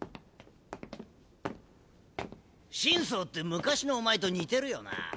心操って昔のおまえと似てるよな。